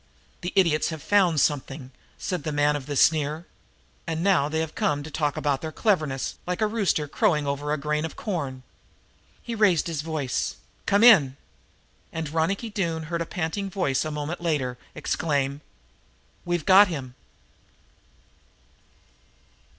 "The idiots have found something," said the man of the sneer. "And now they have come to talk about their cleverness, like a rooster crowing over a grain of corn." He raised his voice. "Come in!" And Ronicky Doone heard a panting voice a moment later exclaim: "We've got him!"